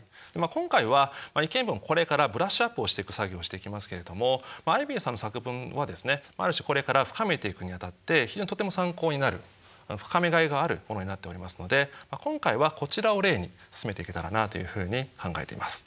今回は意見文をこれからブラッシュアップをしていく作業していきますけれどもアイビーさんの作文はですねある種これから深めていくにあたって非常にとても参考になる深めがいがあるものになっておりますので今回はこちらを例に進めていけたらなあというふうに考えています。